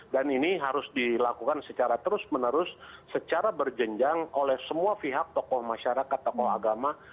dan ini harus dilakukan secara terus menerus secara berjenjang oleh semua pihak tokoh masyarakat tokoh agama